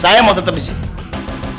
saya mau tetap disini